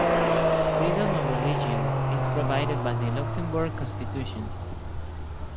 Freedom of religion is provided by the Luxembourg Constitution.